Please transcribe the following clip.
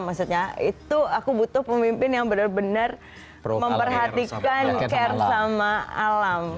maksudnya itu aku butuh pemimpin yang benar benar memperhatikan care sama alam